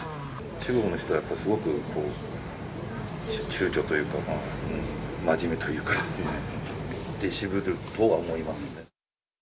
中国の人はやっぱすごく、ちゅうちょというか、真面目というか、出渋るとは思いますね。